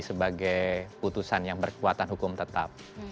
sebagai putusan yang berkekuatan hukum tetap